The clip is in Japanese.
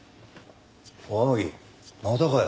おい天樹またかよ。